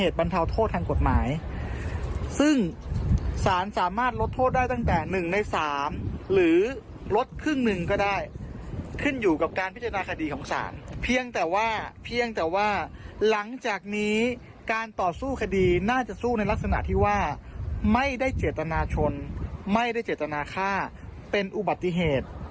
เนื่องจากนี้การต่อสู้คดีน่าจะสู้ในลักษณะที่ว่าไม่ได้เจตนาชนไม่ได้เจตนาค่าเป็นอุบัติเหตุ